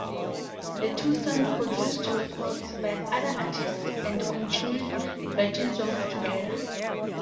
The twosome produced records by other artists and continued writing songs together.